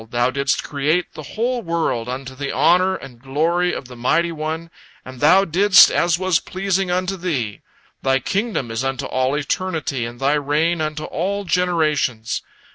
Thou didst create the whole world unto the honor and glory of the Mighty One, and Thou didst as was pleasing unto Thee. Thy kingdom is unto all eternity, and Thy reign unto all generations.